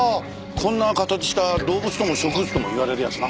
こんな形した動物とも植物とも言われるやつな。